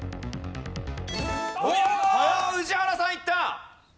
おおっ宇治原さんいった！